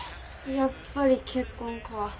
やっぱり結婚か。